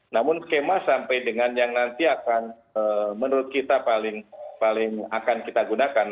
namun skema sampai dengan yang nanti akan menurut kita paling akan kita gunakan